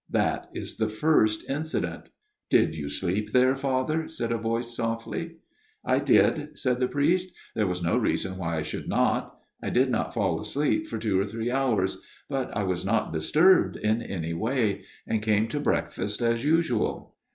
That is the first incident." " Did you sleep there, Father ?" said a voice softly. " I did," said the priest ;" there was no reason why I should not. I did not fall asleep for two or three hours ; but I was not disturbed in any way ; and came to breakfast as usual.